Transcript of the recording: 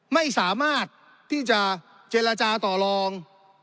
ไม่สามารถที่จะเจรจาต่อลอง